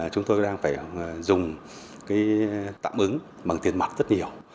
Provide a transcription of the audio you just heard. chúng tôi đang phải dùng tạm ứng bằng tiền mặt rất nhiều